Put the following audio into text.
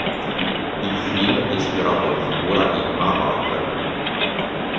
Il film è ispirato alla figura di Ma Barker.